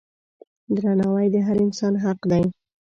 درناوی د هر انسان حق دی.